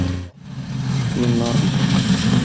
مِنْ نَاصِحٍ